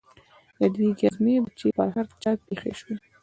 د دوى گزمې به چې پر هر چا پېښې سوې.